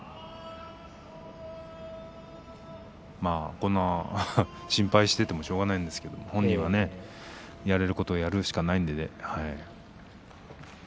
まあ、こんな心配しててもしょうがないんですが本人がやれることをやるしかないんで。